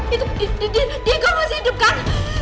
itu diego masih hidup kan